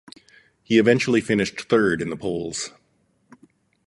He eventually finished third in the polls.